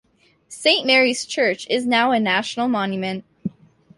Saint Mary's Church is now a National Monument.